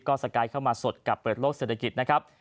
ก็สกายเข้ามาสดกับเปิดโลกเศรษฐกิจนะครับ